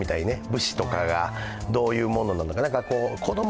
武士とかがどういうものなのか。